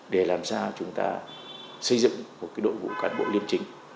để làm sao chúng ta xây dựng một đội ngũ cán bộ liêm chính